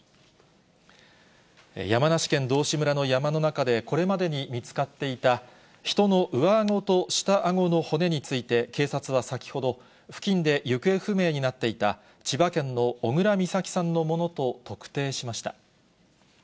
山梨県道志村の山の中で、これまでに見つかっていた人の上あごと下あごの骨について、警察は先ほど、付近で行方不明になっていた千葉県の小倉美咲さんのものと特定しました。